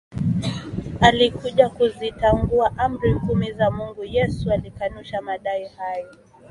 alikuja kuzitangua Amri kumi za Mungu Yesu alikanusha madai hayo